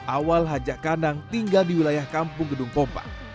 awal hajah kanang tinggal di wilayah kampung gedung pompah